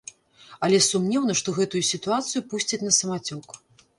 Але сумнеўна, што гэтую сітуацыю пусцяць на самацёк.